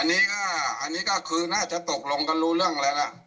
อ๋ออันนี้แน่นี่ก็คือน่าจะตกลงกันรู้เรื่อง